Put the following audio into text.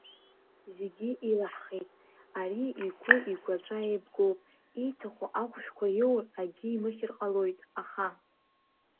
Зегьы илаҳхит, ари игәы-игәаҵәа еибгоуп, ииҭаху ахәшәқәа иоур акгьы имыхьыр ҟалоит, аха.